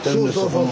この。